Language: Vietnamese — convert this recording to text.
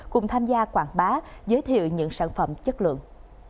cùng tham gia quảng bá giới thiệu những sản phẩm chất lượng